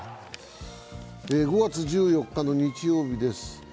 ５月１４日の日曜日です。